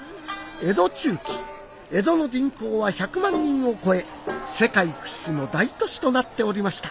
江戸中期江戸の人口は１００万人を超え世界屈指の大都市となっておりました。